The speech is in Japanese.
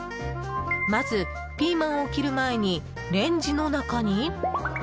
まずピーマンを切る前にレンジの中に。